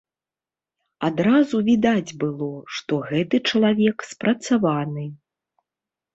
Адразу відаць было, што гэты чалавек спрацаваны.